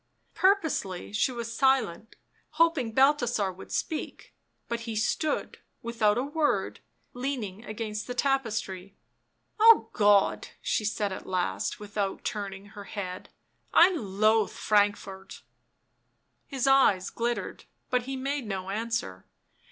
Purposely she was silent, hoping Balthasar would speak; but he stood, without a word, leaning against the tapestry. " Oh God !" she said at last, without turning her head, "I loathe Frankfort!" His eyes glittered, but he made no answer.